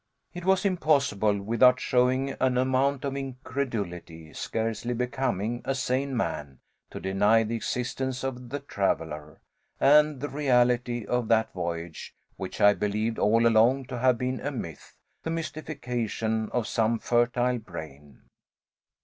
It was impossible, without showing an amount of incredulity scarcely becoming a sane man, to deny the existence of the traveler, and the reality of that voyage which I believed all along to have been a myth the mystification of some fertile brain.